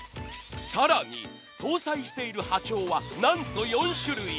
更に搭載している波長はなんと４種類。